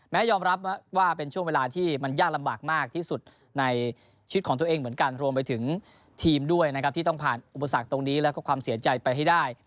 ยอมรับว่าเป็นช่วงเวลาที่มันยากลำบากมากที่สุดในชีวิตของตัวเองเหมือนกันรวมไปถึงทีมด้วยนะครับที่ต้องผ่านอุปสรรคตรงนี้แล้วก็ความเสียใจไปให้ได้